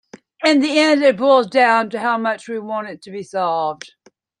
In the end it boils down to how much we want it to be solved.